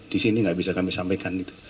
disini gak bisa kami sampaikan gitu